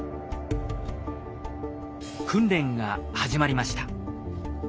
訓練が始まりました。